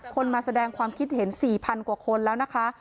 มาแสดงความคิดเห็น๔๐๐กว่าคนแล้วนะคะ